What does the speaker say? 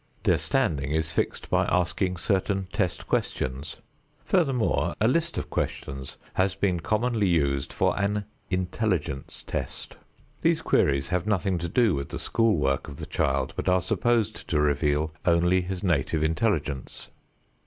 Their standing is fixed by asking certain test questions. Furthermore, a list of questions has been commonly used for an "intelligence test." These queries have nothing to do with the school work of the child, but are supposed to reveal only his native intelligence.